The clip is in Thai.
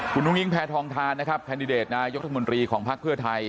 คุณอุ้งอิงแพทองทานนะครับแคนดิเดตนายกรัฐมนตรีของภักดิ์เพื่อไทย